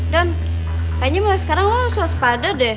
don kayaknya mulai sekarang lo harus waspada deh